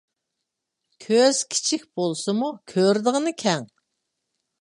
كۆز كىچىك بولسىمۇ، كۆرىدىغىنى كەڭ.